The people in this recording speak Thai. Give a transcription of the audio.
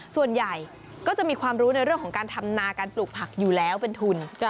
ส่วนใหญ่ก็จะมีความรู้ในเรื่องของการทำนาการปลูกผักอยู่แล้วเป็นทุน